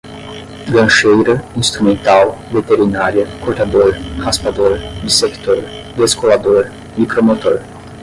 gancheira, instrumental, veterinária, cortador, raspador, dissector, descolador, micromotor